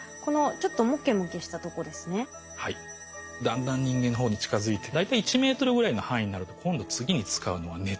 だんだん人間の方に近づいて大体１ｍぐらいの範囲になると今度次に使うのが熱。